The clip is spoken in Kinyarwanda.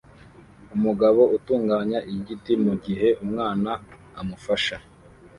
Umugabo atunganya igiti mugihe umwana amufasha